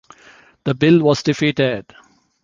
The bill was defeated.